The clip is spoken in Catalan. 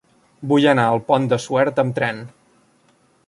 Vull anar al Pont de Suert amb tren.